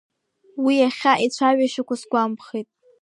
Уи иахьа ицәажәашьақәа сгәамԥхеит.